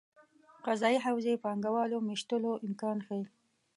قضايي حوزې پانګه والو مېشتولو امکان ښيي.